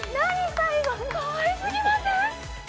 最後のかわいすぎません？